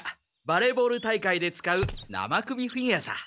バレーボール大会で使う生首フィギュアさ。